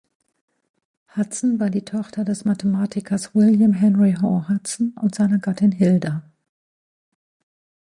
Hudson war die Tochter des Mathematikers William Henry Hoar Hudson und seiner Gattin Hilda.